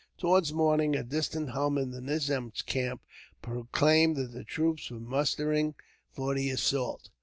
Towards morning, a distant hum in the nizam's camp proclaimed that the troops were mustering for the assault.